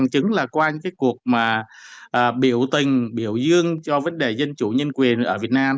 chứng là qua những cuộc biểu tình biểu dương cho vấn đề dân chủ nhân quyền ở việt nam